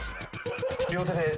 両手で。